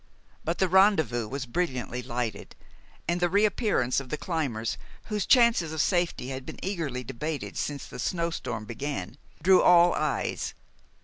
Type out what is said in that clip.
But the rendezvous was brilliantly lighted, and the reappearance of the climbers, whose chances of safety had been eagerly debated since the snow storm began, drew all eyes.